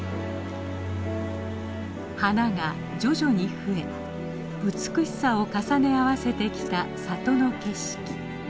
花が徐々に増え美しさを重ね合わせてきた里の景色。